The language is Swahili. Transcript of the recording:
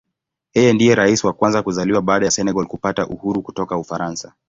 Yeye ndiye Rais wa kwanza kuzaliwa baada ya Senegal kupata uhuru kutoka Ufaransa.